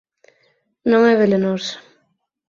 Non é velenosa.